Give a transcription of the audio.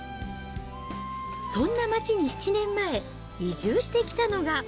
そんな町に７年前、移住してきたのが。